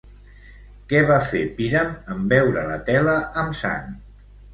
Què va fer Píram en veure la tela amb sang?